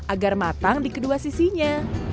agar matang di kedua sisinya